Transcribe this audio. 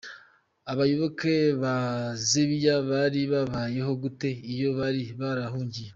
Abayoboke ba Zebiya Bari Babayeho Gute Iyo Bari Barahungiye?